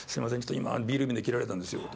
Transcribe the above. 今ビール瓶で切られたんですよ」と。